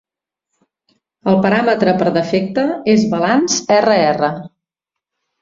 El paràmetre per defecte és "balanç-rr".